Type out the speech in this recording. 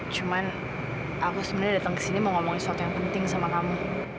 cuman aku sebenarnya datang ke sini mau ngomongin sesuatu yang penting sama kamu